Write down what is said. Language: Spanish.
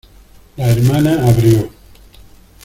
la hermana abrió.